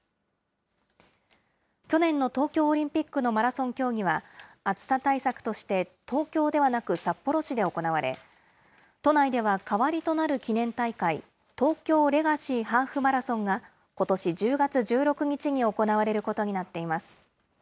去年の東京オリンピックのマラソン競技は、暑さ対策として東京ではなく、札幌市で行われ、都内では代わりとなる記念大会、東京レガシーハーフマラソンが、ことし１０月１６日に行われることになっています。